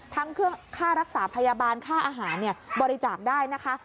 ทั้งค่ารักษาพยาบาลค่าอาหารบริจาคได้นะคะ